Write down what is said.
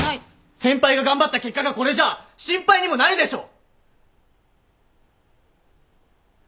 先輩が頑張った結果がこれじゃ心配にもなるでしょ！